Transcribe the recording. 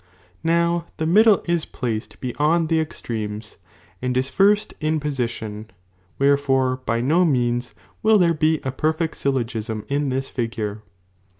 Now the mid dle ia placed beyond the extremes, and is first in posi tion ; wherefore by no means will there be & perfect syllo gism ia tliia figure.